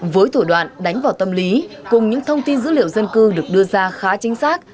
với thủ đoạn đánh vào tâm lý cùng những thông tin dữ liệu dân cư được đưa ra khá chính xác